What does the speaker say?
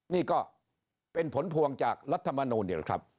นี่ก็เป็นผลพวงจากรัฐมนูญเหรอครับ